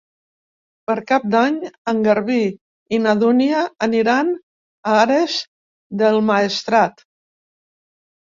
Per Cap d'Any en Garbí i na Dúnia aniran a Ares del Maestrat.